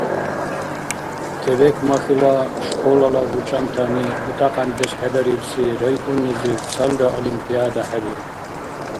ТӀебекмахьила школала бучӀантани бутӀакьяндеш хӀедарибси районнизиб цалра олимпиада хӀебиуб.